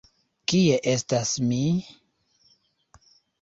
Kie estas mi?